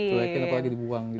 dicuekin apalagi dibuang gitu